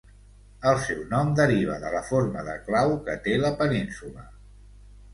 El seu nom deriva de la forma de clau que té la península.